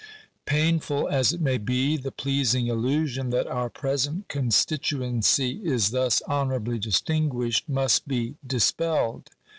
Painful as it may be, the pleasing illusion that our present constituency is thus honourably distinguished, must be dis pelled.